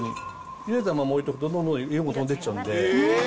ゆでたまま置いておくとどんどん色が飛んでっちゃうんで。